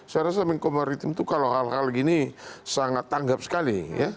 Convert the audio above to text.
saya rasa menko maritim itu kalau hal hal gini sangat tanggap sekali